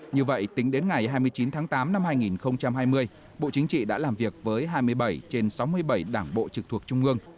như vậy tính đến ngày hai mươi chín tháng tám năm hai nghìn hai mươi bộ chính trị đã làm việc với hai mươi bảy trên sáu mươi bảy đảng bộ trực thuộc trung ương